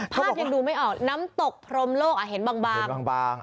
ยังดูไม่ออกน้ำตกพรมโลกเห็นบาง